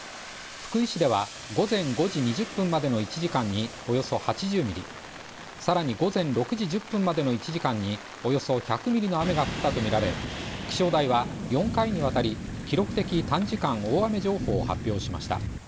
福井市では午前５時２０分までの１時間におよそ８０ミリ、さらに午前６時１０分までの１時間におよそ１００ミリの雨が降ったとみられ、気象台は４回にわたり記録的短時間大雨情報を発表しました。